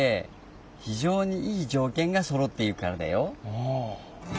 ああ。